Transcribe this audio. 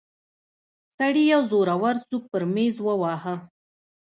سړي يو زورور سوک پر ميز وواهه.